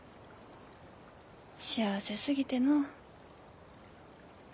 幸せすぎてのう。